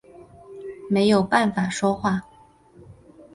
没有办法说话